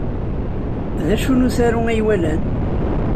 D acu n usaru ay walan?